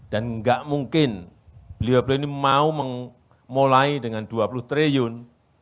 dan enggak mungkin beliau beliau ini mau memulai dengan dua puluh triliun